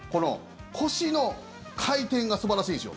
腰の回転が素晴らしいんですよ。